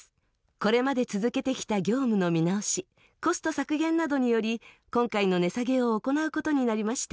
これまで続けてきた業務の見直し、コスト削減などにより、今回の値下げを行うことになりました。